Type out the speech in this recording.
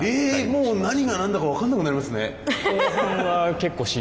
もう何がなんだか分からなくなりますね。